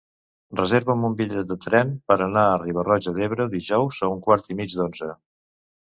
Reserva'm un bitllet de tren per anar a Riba-roja d'Ebre dijous a un quart i mig d'onze.